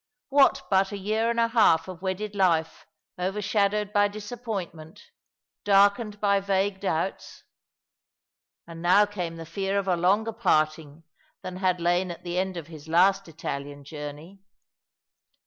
What but a year and a half of wedded life overshadowed by disappointment, darkened by vague doubts ? And now came the fear of a longer parting than had lain at the end of his last Italian journey.